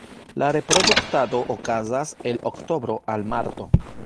La reproduktado okazas el oktobro al marto.